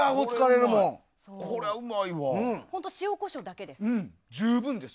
本当に塩、コショウだけです。